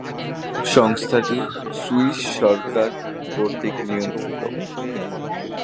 সংস্থাটি সুইস সরকার কর্তৃক নিয়ন্ত্রিত।